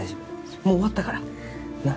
もう終わったからなっ